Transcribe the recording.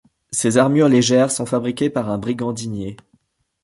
Ces armures légères sont fabriquées par un brigandinier.